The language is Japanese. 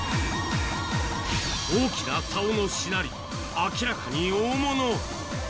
大きなさおのしなり、明らかに大物。